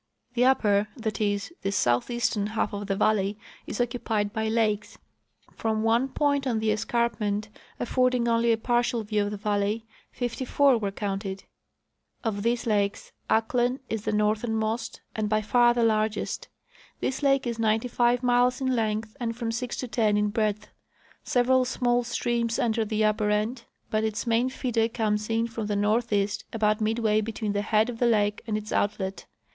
The upper, that is, the southeastern, half of the valley is occupied by lakes. From one point on the escarpment, affording only a partial view of the valley, fifty four Avere counted. Of these lakes, Ahklen '^ is the northernmost and . by far the largest. This lake is ninety five miles in length and from six to ten in breadth. Several small streams enter the upper end, but its main feeder comes in from the northeast about midway between the head of the lake and its outlet.